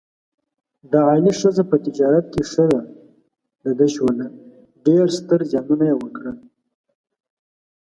د علي ښځه په تجارت کې ښه ډډه شوله، ډېر ستر زیانونه یې وکړل.